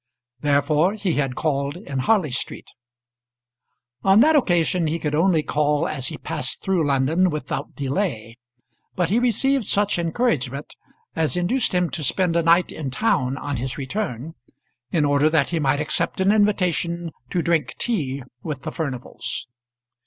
Therefore he had called in Harley Street. On that occasion he could only call as he passed through London without delay; but he received such encouragement as induced him to spend a night in town on his return, in order that he might accept an invitation to drink tea with the Furnivals.